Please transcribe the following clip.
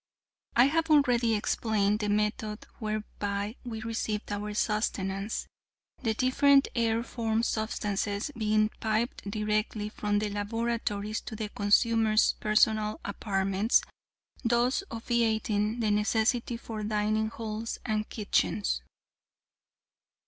"I have already explained the method whereby we received our sustenance, the different aeriform substances being piped directly from the laboratories to the consumers' personal apartments, thus obviating the necessity for dining halls and kitchens.